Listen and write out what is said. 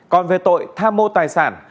còn về tội tham mô tài sản